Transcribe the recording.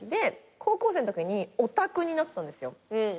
高校生のときにオタクになったんですよ。